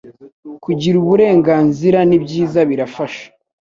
Kugira Uburenganzira n’ibyiza birafasha